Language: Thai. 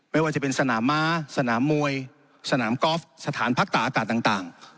ไม่ว่าจะเป็นสนามม้าสนามมวยสนามกอล์ฟสถานพักตาอากาศต่าง